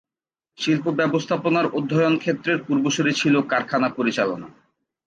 শিল্প ব্যবস্থাপনার অধ্যয়ন ক্ষেত্রের পূর্বসূরী ছিল কারখানা পরিচালনা।